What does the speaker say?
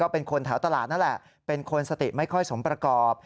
เป็นคนแถวตลาดนั่นแหละเป็นคนสติไม่ค่อยสมประกอบ